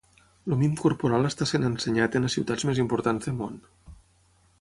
El mim corporal està sent ensenyat en les ciutats més importants de món.